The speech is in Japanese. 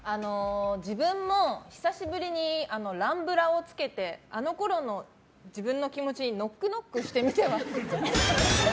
自分も久しぶりにランブラをつけてあのころの自分の気持ちにノックノックしてみては？